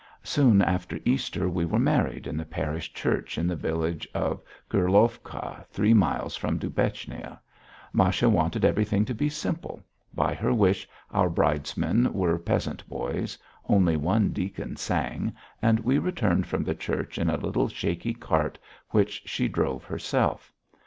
Soon after Easter we were married in the parish church in the village of Kurilovka three miles from Dubechnia. Masha wanted everything to be simple; by her wish our bridesmen were peasant boys, only one deacon sang, and we returned from the church in a little, shaky cart which she drove herself.